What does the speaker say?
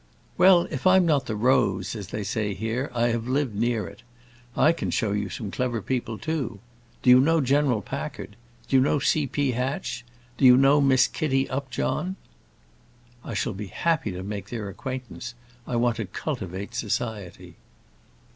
"Well, if I'm not the rose, as they say here, I have lived near it. I can show you some clever people, too. Do you know General Packard? Do you know C. P. Hatch? Do you know Miss Kitty Upjohn?" "I shall be happy to make their acquaintance; I want to cultivate society."